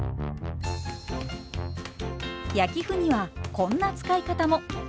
焼き麩にはこんな使い方も。